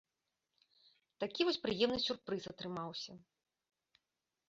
Такі вось прыемны сюрпрыз атрымаўся.